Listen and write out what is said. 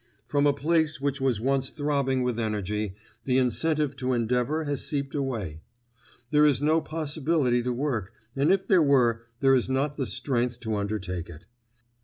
From a place which was once throbbing with energy the incentive to endeavour has seeped away. There is no possibility to work; and if there were, there is not the strength to undertake it.